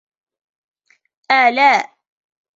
ألاء